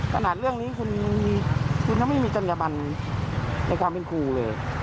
ขนาดนี้คุณยังไม่มีจัญญบันในความเป็นครูเลย